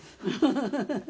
「ハハハハ！」